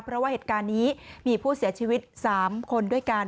เพราะว่าเหตุการณ์นี้มีผู้เสียชีวิต๓คนด้วยกัน